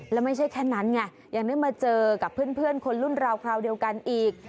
แล้วไม่ใช่แค่นั้นไงยังได้มาเจอกับเพื่อนคนรุ่นราวคราวเดียวกันอีก